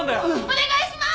お願いします！